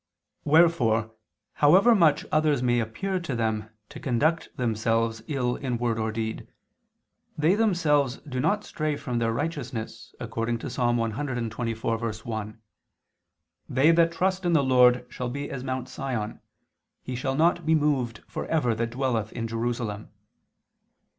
Wherefore, however much others may appear to them to conduct themselves ill in word or deed, they themselves do not stray from their righteousness, according to Ps. 124:1: "They that trust in the Lord shall be as Mount Sion: he shall not be moved for ever that dwelleth in Jerusalem."